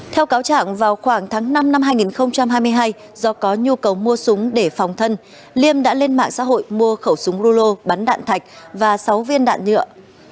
theo cáo trạng vào khoảng tháng năm năm hai nghìn hai mươi hai do có nhu cầu mua súng để phòng thân liêm đã lên mạng xã hội mua khẩu súng rulo bắn đạn thạch và sáu viên đạn nhựa